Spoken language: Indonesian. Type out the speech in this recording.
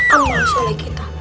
amal selai kita